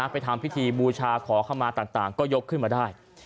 ไปทำพิธีบูชาขอเข้ามาต่างก็ยกขึ้นมาได้